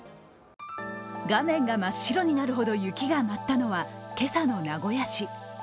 画面が真っ白になるほど雪が舞ったのは今朝の名古屋市。